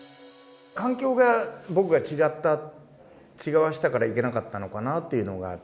環境が僕が違った違わせたからいけなかったのかなっていうのがあって。